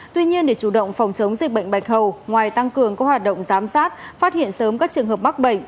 tuy nhiên để chủ động phòng chống dịch bệnh bạch hầu ngoài tăng cường các hoạt động giám sát phát hiện sớm các trường hợp mắc bệnh